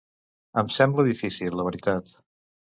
Em sembla difícil, la veritat.